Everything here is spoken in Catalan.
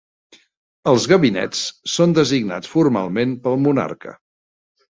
Els gabinets són designats formalment pel Monarca.